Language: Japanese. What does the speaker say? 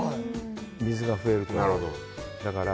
水が増えるから。